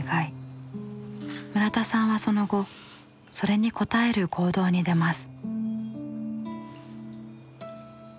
村田さんはその後それに応える行動に出ます。